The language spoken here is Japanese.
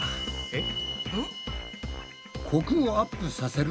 えっ？